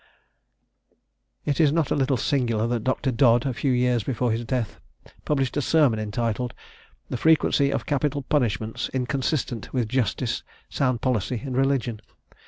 It is not a little singular that Dr. Dodd, a few years before his death, published a Sermon, intitled, "The frequency of capital punishments inconsistent with justice, sound policy, and religion."